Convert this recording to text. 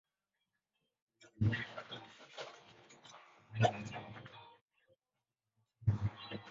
Hali hii ya pekee ilikuwa na umuhimu hasa wakati wa uhuru wa nchi hizo.